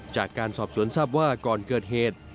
จากการสอบสวนทราบว่าก่อนเกิดเหตุ